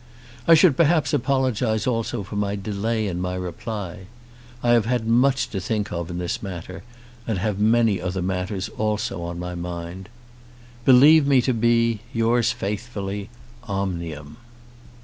I should perhaps apologise also for delay in my reply. I have had much to think of in this matter, and have many others also on my mind. Believe me to be, Yours faithfully, OMNIUM.